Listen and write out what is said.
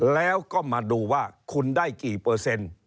แล้วก็มาดูว่าคุณได้กี่เปอร์เซ็นต์